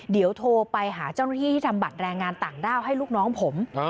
เดี๋ยวโทรไปหาเจ้าหน้าที่ที่ทำบัตรแรงงานต่างด้าวให้ลูกน้องผม